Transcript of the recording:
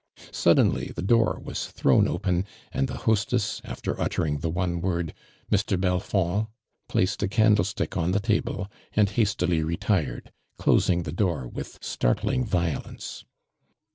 Suddenly the door was thrown open and the hostess, after uttering the one word, *' Mr. Belfond," placed a candlestick on the table and hastily retired, closing the door with startling violence.